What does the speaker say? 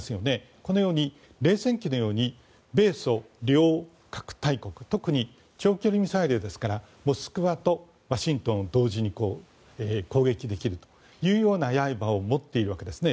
このように冷戦期のように米ソ両核大国特に長距離ミサイルですからモスクワとワシントンを同時に攻撃できるというやいばを持っているわけですね。